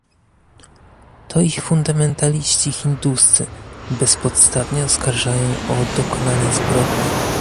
To ich fundamentaliści hinduscy bezpodstawnie oskarżają o dokonanie zbrodni